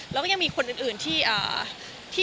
แล้วก็ยังมีคนอื่นที่